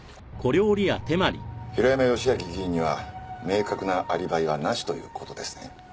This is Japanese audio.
平山義昭議員には明確なアリバイはなしという事ですね？